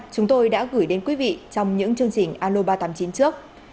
chúng tôi đã gửi đến quý vị trong những chương trình aloba tám mươi chín trước